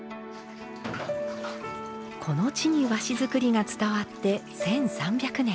この地に和紙作りが伝わって１，３００年。